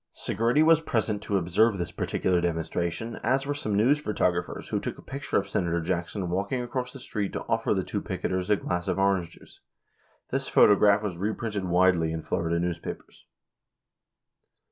5 Segretti was present to observe this particular demonstration, as were some news photographers who took a picture of Senator Jackson walking across the street to offer the two picketers a glass of orange juice. This pho tograph was reprinted widely in Florida newspapers.